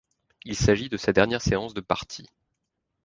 Il s’agit de sa dernière séance de parties.